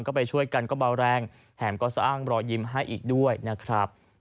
ก็ไปช่วยกันก็เบาแรงแถมก็สร้างรอยยิ้มให้อีกด้วยนะครับ